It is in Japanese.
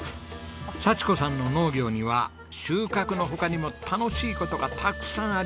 幸子さんの農業には収穫の他にも楽しい事がたくさんあります。